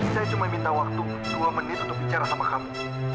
saya cuma minta waktu dua menit untuk bicara sama kamu